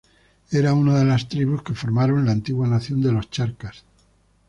Era una de las tribus que formaron la Antigua nación de los Charcas.